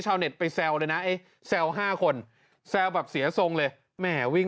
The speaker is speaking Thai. เน็ตไปแซวเลยนะไอ้แซว๕คนแซวแบบเสียทรงเลยแหมวิ่ง